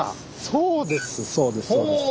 そうですそうです。